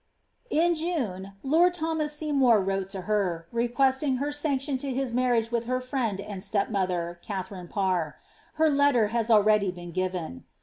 In June, lord Thomas Seymour wrote to her, requesting her sanction to his marriage with her friend and stepmother, Katharine Parr; her letter has already been given.'